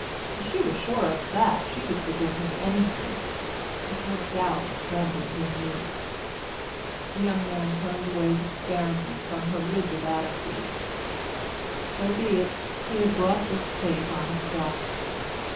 If she were sure of that, she could forgive him anything, but her doubt rendered her mute. The young man turned away despairingly from her rigid attitude. So be it he had brought his fate on himself.